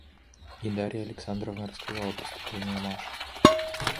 И Дарья Александровна рассказала преступление Маши.